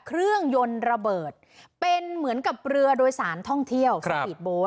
เครื่องยนต์ระเบิดเป็นเหมือนกับเรือโดยสารท่องเที่ยวสปีดโบ๊ท